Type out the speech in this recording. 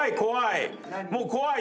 もう怖い。